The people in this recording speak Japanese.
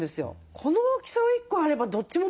この大きさを１個あればどっちも賄えますもんね。